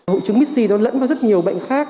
hội trứng mixi nó lẫn vào rất nhiều bệnh khác